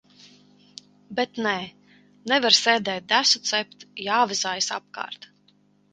Bet nē, nevar sēdēt desu cept, jāvazājas apkārt.